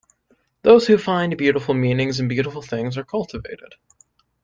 Those who find beautiful meanings in beautiful things are the cultivated.